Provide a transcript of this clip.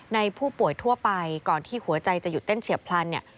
ในผู้ป่วยทั่วไปก่อนที่หัวใจจะหยุดเต้นเฉียบพลันเนี่ย